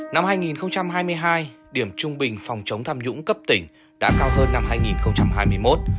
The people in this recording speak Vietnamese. năm hai nghìn hai mươi hai điểm trung bình phòng chống tham nhũng cấp tỉnh đã cao hơn năm hai nghìn hai mươi một